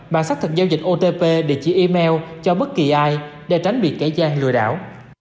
mà xác thực giao dịch otp địa chỉ email cho bất kỳ ai để tránh bị kẻ gian lừa đảo